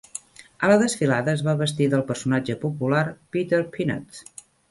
A la desfilada, es va vestir del personatge popular Peter Peanut.